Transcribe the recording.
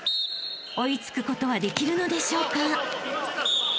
［追い付くことはできるのでしょうか？］